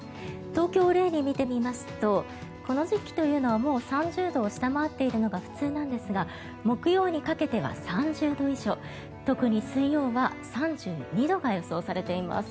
東京を例に見てみますとこの時期というのはもう３０度を下回っているのが普通なんですが木曜日にかけては３０度以上特に水曜は３２度が予想されています。